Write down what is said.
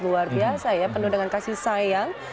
luar biasa ya penuh dengan kasih sayang